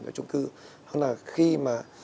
cho trung cư đó là khi mà